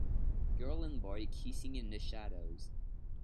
Girl and boy kissing in the shadows